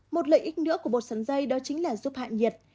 một lợi ích nữa của bột sắn dây đó chính là giúp hạ nhiệt